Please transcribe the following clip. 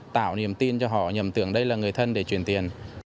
tạo niềm tin cho họ nhầm tưởng đây là người thân để chuyển tiền